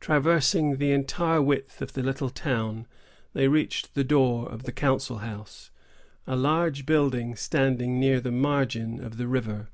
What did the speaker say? Traversing the entire width of the little town, they reached the door of the council house, a large building standing near the margin of the river.